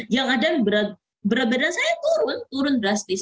yang ada berat badan saya turun drastis